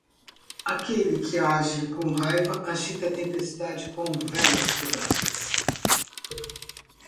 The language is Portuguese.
Aquele que age com raiva agita a tempestade com velas quebradas.